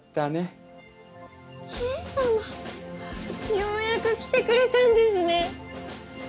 ようやく来てくれたんですね！